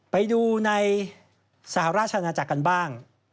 ไปดูในสหราชนาจักรกันบ้าง